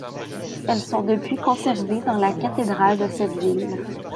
Elles sont depuis conservées dans la cathédrale de cette ville.